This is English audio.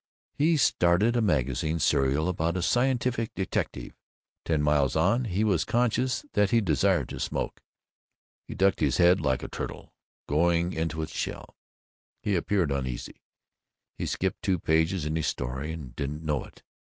He started a magazine serial about a scientific detective. Ten miles on, he was conscious that he desired to smoke. He ducked his head, like a turtle going into its shell; he appeared uneasy; he skipped two pages in his story and didn't know it.